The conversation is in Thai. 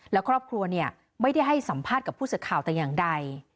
และครอบครัวไม่ได้ให้สัมภาษณ์กับผู้สื่อข่าวแต่อย่างใด